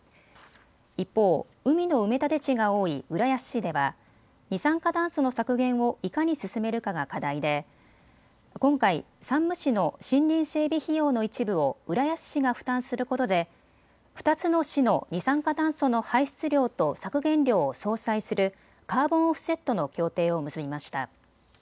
一方、海の埋め立て地が多い浦安市では二酸化炭素の削減をいかに進めるかが課題で今回、山武市の森林整備費用の一部を浦安市が負担することで２つの市の二酸化炭素の排出量と削減量を相殺するカーボンオフセットの協定を結びました。